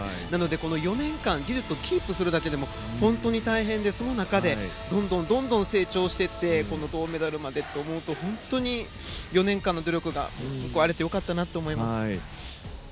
なので、４年間技術をキープするだけでも大変でその中でどんどん成長していって銅メダルまでって思うと本当に４年間の努力が報われて良かったなと思います。